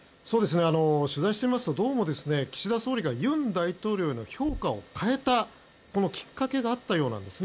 取材してみますとどうも岸田総理が尹大統領の評価を変えたきっかけがあったようなんです。